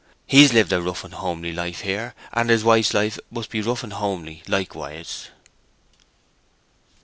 He's lived our rough and homely life here, and his wife's life must be rough and homely likewise."